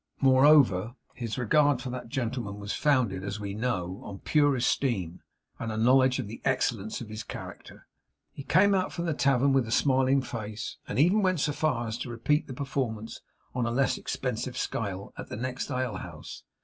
Moreover, his regard for that gentleman was founded, as we know, on pure esteem, and a knowledge of the excellence of his character. He came out from the tavern with a smiling face, and even went so far as to repeat the performance, on a less expensive scale, at the next ale house.